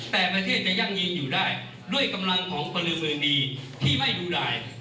แต่ประเทศจะยั่งยืนอยู่ได้ด้วยกำลังของพลเมืองดีที่ไม่ดูแล